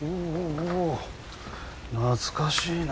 おおお懐かしいな。